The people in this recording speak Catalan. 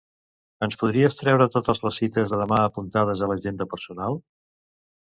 Ens podries treure totes les cites de demà apuntades a l'agenda personal?